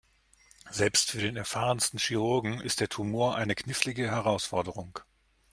Selbst für den erfahrensten Chirurgen ist der Tumor eine knifflige Herausforderung.